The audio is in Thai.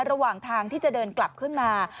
ระหว่างทางที่จะเดินกลับขึ้นมา